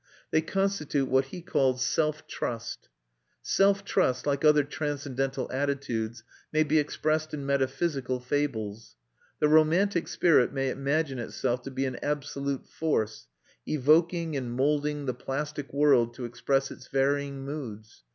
They constitute what he called self trust. Self trust, like other transcendental attitudes, may be expressed in metaphysical fables. The romantic spirit may imagine itself to be an absolute force, evoking and moulding the plastic world to express its varying moods.